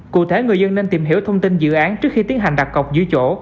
cụ thể người dân nên tìm hiểu thông tin dự án trước khi tiến hành đặt cọc giữ chỗ